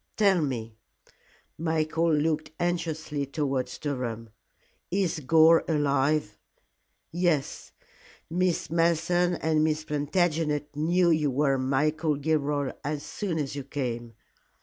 Tell me" Michael looked anxiously towards Durham "is Gore alive?" "Yes. Miss Malleson and Miss Plantagenet knew you were Michael Gilroy as soon as you came."